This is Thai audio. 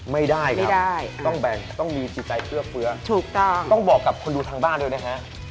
ไม่ได้ครับต้องแบ่งต้องมีจิตไจเพื่อเฟลือต้องบอกกับคนดูทางบ้านเลยนะฮะ